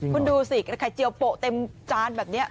คุณดูสิไข่เจียวโปะเต็มจานแบบนี้